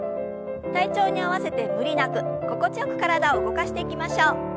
体調に合わせて無理なく心地よく体を動かしていきましょう。